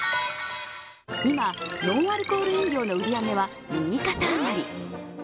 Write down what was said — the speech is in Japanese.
今、ノンアルコール飲料の売り上げは右肩上がり。